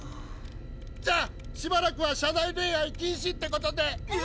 じゃあしばらくは「社内恋愛禁止」ってことで！